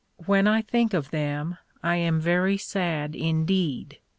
When I think of them I am very sad indeed.